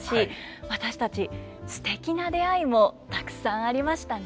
私たちすてきな出会いもたくさんありましたね。